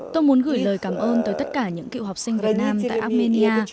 tôi muốn gửi lời cảm ơn tới tất cả những cựu học sinh việt nam tại armenia